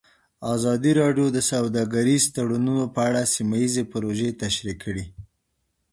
ازادي راډیو د سوداګریز تړونونه په اړه سیمه ییزې پروژې تشریح کړې.